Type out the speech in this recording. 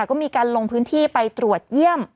ก็มีการลงพื้นที่ไปตรวจเยี่ยม